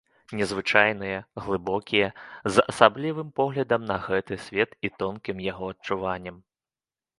Незвычайныя, глыбокія, з асаблівым поглядам на гэты свет і тонкім яго адчуваннем.